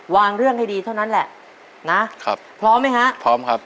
เรื่องให้ดีเท่านั้นแหละนะครับพร้อมไหมฮะพร้อมครับ